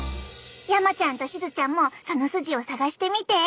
山ちゃんとしずちゃんもその筋を探してみて！